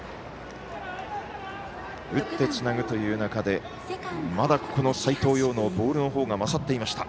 打ってつなぐという中でまだ斎藤蓉のボールの方が勝っていました。